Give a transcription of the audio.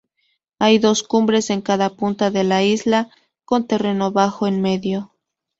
Hay dos cumbres en cada punta de la isla, con terreno bajo en medio.